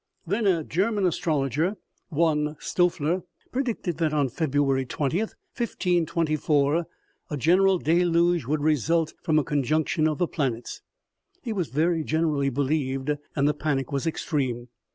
Then a German astrologer, one Stonier, predicted that on February 20, 1524, a general deluge would result from a conjunction of the planets. He was very generally believed, and the panic was extreme.